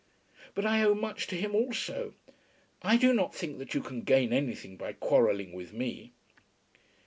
"But I owe much to him also. I do not think that you can gain anything by quarrelling with me."